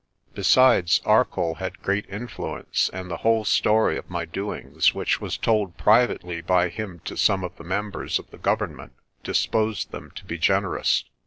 Besides, Arcoll had great influence, and the whole story of my doings, which was told privately by him to some of the members of the Government, disposed them to be generous.